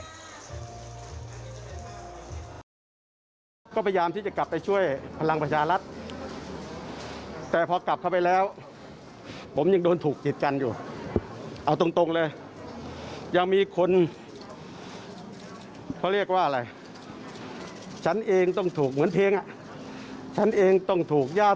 อ้าวมีอีกหนึ่งพักการเมืองในช่วงวันนี้